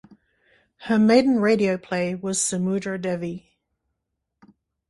Her maiden radio play was "Samudra Devi".